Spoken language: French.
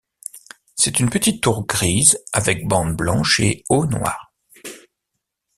C'est une petite tour grise, avec bande blanche et haut noir.